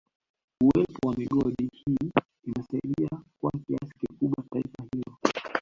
Uwepo wa migodi hii imesaidia kwa kiasi kikubwa taifa hilo